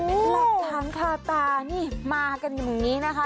เป็นหลักฐานคาตานี่มากันอย่างนี้นะคะ